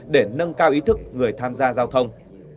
để nâng cao ý thức người tham gia giao thông